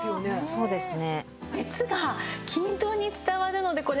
そうですね。